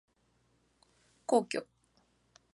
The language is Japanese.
皇居